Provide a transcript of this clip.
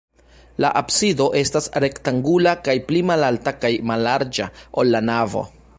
La absido estas rektangula kaj pli malalta kaj mallarĝa, ol la navo.